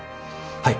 はい！